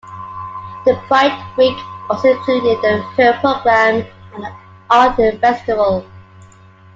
The pride week also included a film program and an art festival.